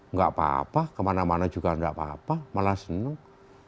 nggak apa apa kemana mana juga nggak apa apa malah senuk